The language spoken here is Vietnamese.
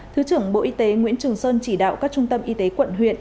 thứ trưởng bộ y tế nguyễn trường sơn chỉ đạo các trung tâm y tế quận huyện